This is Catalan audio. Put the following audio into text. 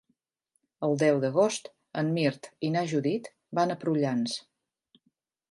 El deu d'agost en Mirt i na Judit van a Prullans.